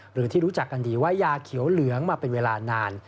หรือที่รู้จักกันดีว่ายาเขียวเหลืองมาเป็นเวลานาน